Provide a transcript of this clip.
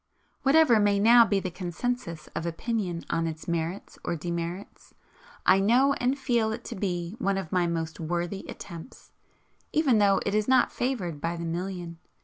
Whatever may now be the consensus of opinion on its merits or demerits, I know and feel it to be one of my most worthy attempts, even though it is not favoured by the million.